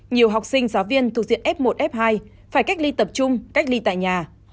nhiều học sinh giáo viên thuộc diện f một f hai phải cách ly tập trung cách ly tại nhà